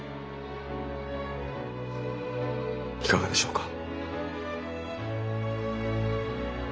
いかがでしょうか？